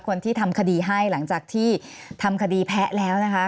คนที่ทำคดีให้หลังจากที่ทำคดีแพ้แล้วนะคะ